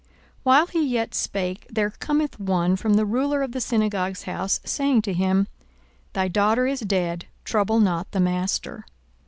42:008:049 While he yet spake, there cometh one from the ruler of the synagogue's house, saying to him, Thy daughter is dead; trouble not the Master.